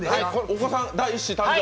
お子さん、第１子誕生？